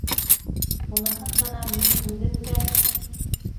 Уныһын ғына мин үҙем дә...